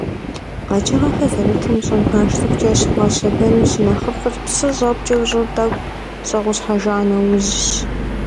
Къэкӏыгъэхэр зэрытым щӏыр баш цӏыкӏукӏэ щыбгъэщэбэну щынэхъыфӏыр псы щӏэпкӏэу щӏыр тӏэкӏу щӏэгъущхьэжа нэужьщ.